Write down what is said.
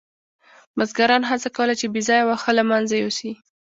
بزګرانو هڅه کوله چې بې ځایه واښه له منځه یوسي.